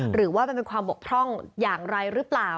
หรือว่ามันเป็นความบกพร่องอย่างไรหรือเปล่า